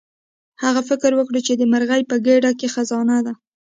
هغه فکر وکړ چې د مرغۍ په ګیډه کې خزانه ده.